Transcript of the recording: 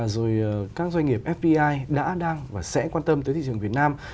rồi các doanh nghiệp fdi đã đang và sẽ quan tâm tới thị trường việt nam